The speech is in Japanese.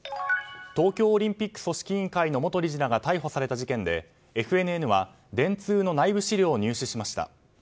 東京オリンピック組織委員会の元理事らが逮捕された事件でＦＮＮは電通の内部資料を入手しました。